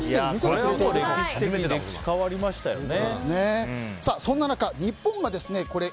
これは歴史変わりましたよね。